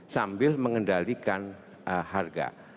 sambil mengendalikan harga